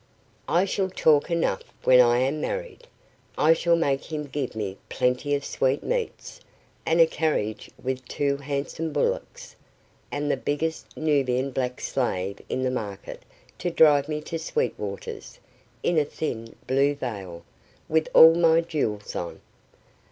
"I shall talk enough when I am married. I shall make him give me plenty of sweetmeats, and a carriage with two handsome bullocks, and the biggest Nubian black slave in the market to drive me to Sweet Waters, in a thin blue veil, with all my jewels on.